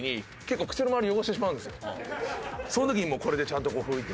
その時にもこれでちゃんと拭いて。